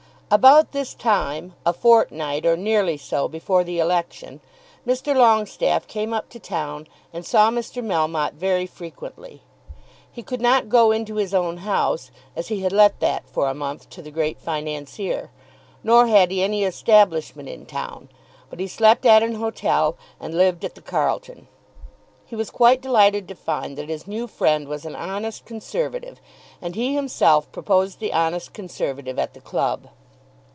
About this time, a fortnight or nearly so before the election, Mr. Longestaffe came up to town and saw Mr. Melmotte very frequently. He could not go into his own house, as he had let that for a month to the great financier, nor had he any establishment in town; but he slept at an hotel and lived at the Carlton. He was quite delighted to find that his new friend was an honest Conservative, and he himself proposed the honest Conservative at the club.